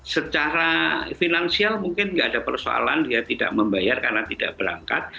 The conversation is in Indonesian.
secara finansial mungkin tidak ada persoalan dia tidak membayar karena tidak berangkat